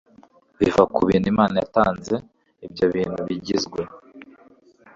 biva ku bintu Imana yatanze Ibyo bintu bigizwe